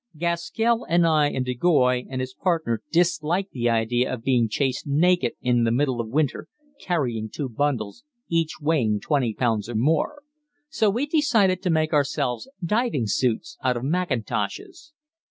Gaskell and I and de Goys and his partner disliked the idea of being chased naked in the middle of winter carrying two bundles, each weighing 20 pounds or more, so we decided to make ourselves diving suits out of mackintoshes.